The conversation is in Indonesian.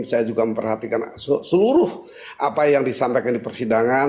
saya juga memperhatikan seluruh apa yang disampaikan di persidangan